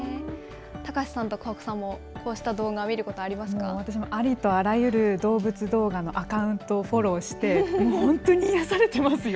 高瀬さんと桑子さんも、こうした私もありとあらゆる動物動画のアカウントをフォローして、本当に癒やされてますよ。